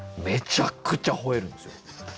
めちゃくちゃほえるんですよ。